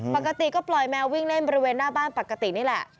ปกติก็ปล่อยแมววิ่งเล่นบริเวณหน้าบ้านปกตินี่แหละ